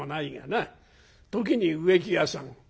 時に植木屋さん